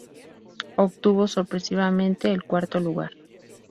Obtuvo sorpresivamente el cuarto lugar.